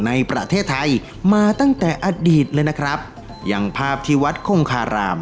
ในประเทศไทยมาตั้งแต่อดีตเลยนะครับอย่างภาพที่วัดคงคาราม